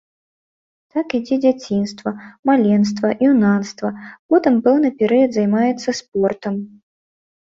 Так ідзе дзяцінства, малалецтва, юнацтва, потым пэўны перыяд займаецца спортам.